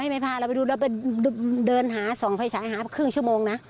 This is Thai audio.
ไม่ไปดูเดินเดินหา๒สายหาครึ่งชั่วโมงนะ